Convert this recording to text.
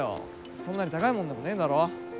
そんなに高いもんでもねえだろ。